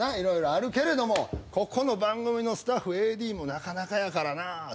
色々あるけれどもここの番組のスタッフＡＤもなかなかやからなぁ。